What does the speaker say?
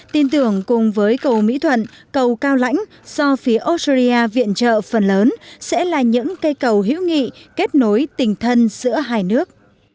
tin tưởng cùng với cầu mỹ thuận cầu cao lãnh do phía australia viện trợ phần lớn sẽ là những cây cầu hữu nghị kết nối tình thân giữa hai nước